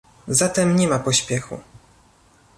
Zatem nie ma pośpiechu